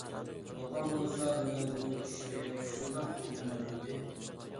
بولغان بولسا مېنىڭ بۇ ئىشنى شۇنداق قىلغۇم بار ئىدى.